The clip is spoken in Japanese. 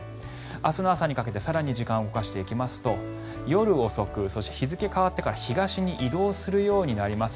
明日の朝にかけて更に時間を動かしていきますと夜遅く、そして日付変わってから東に移動するようになります。